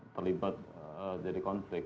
terlibat jadi konflik